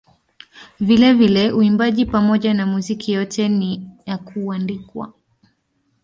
Vilevile uimbaji pamoja na muziki yote ni ya kuandikwa.